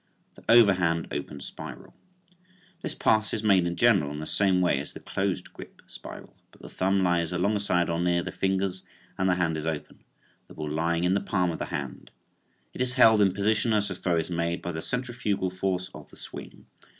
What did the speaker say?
THE OVERHAND OPEN SPIRAL. This pass is made in general in the same way as the closed grip spiral, but the thumb lies alongside or near the fingers and the hand is open, the ball lying in the palm of the hand. It is held in position as the throw is made by the centrifugal force of the swing.